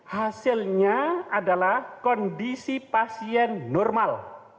hasilnya adalah kondisi pasien normal